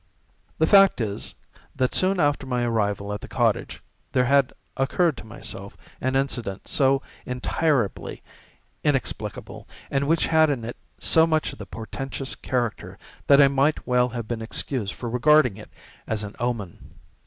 The fact is, that soon after my arrival at the cottage there had occurred to myself an incident so entirely inexplicable, and which had in it so much of the portentous character, that I might well have been excused for regarding it as an omen.